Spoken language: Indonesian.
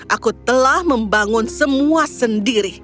aku telah membangun semua sendiri